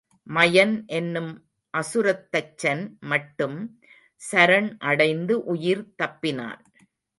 மயன் என்னும் அசுரத்தச்சன் மட்டும் சரண் அடைந்து உயிர் தப்பினான்.